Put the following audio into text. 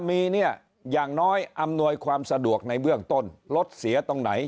มีเนี่ยอย่างน้อยอำนวยความสะดวกในเบื้องต้นรถเสียตรงไหน